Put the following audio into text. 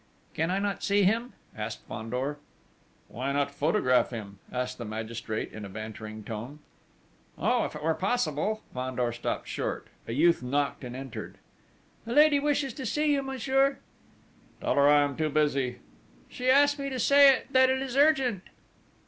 "Can I not see him?" asked Fandor. "Why not photograph him?" asked the magistrate in a bantering tone. "Oh, if it were possible!..." Fandor stopped short. A youth knocked and entered: "A lady, who wishes to see you, monsieur." "Tell her I am too busy." "She asked me to say that it is urgent."